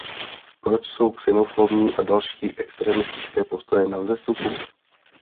Proč jsou xenofobní a další extremistické postoje na vzestupu?